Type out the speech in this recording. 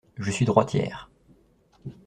Je suis droitière.